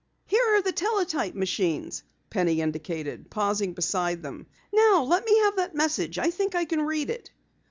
"Here are the teletype machines," Penny indicated, pausing beside them. "Now let me have that message. I think I can read it."